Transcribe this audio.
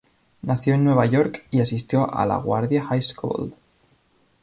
Nació en Nueva York y asistió a LaGuardia High School.